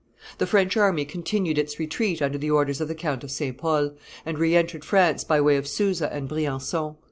The French army continued its retreat under the orders of the Count of St. Pol, and re entered France by way of Suza and Briancon.